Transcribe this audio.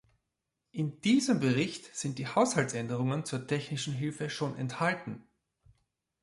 In diesem Bericht sind die Haushaltsänderungen zur technischen Hilfe schon enthalten.